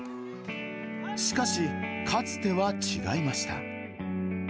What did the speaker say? しかし、かつては違いました。